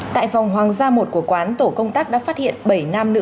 tại phòng hoàng gia một của quán tổ công tác đã phát hiện bảy nam nữ